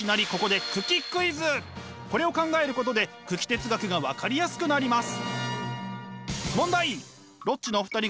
これを考えることで九鬼哲学が分かりやすくなります！